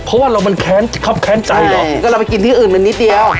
เพราะว่าเรามันแค้นครับแค้นใจหรอกก็เราไปกินที่อื่นมันนิดเดียว